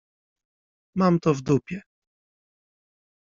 Mam to w dupie.